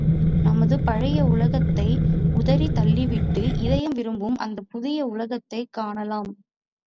நமது பழைய உலகத்தை உதறித் தள்ளிவிட்டு, இதயம் விரும்பும் அந்தப் புதிய உலகத்தைக் காணலாம்.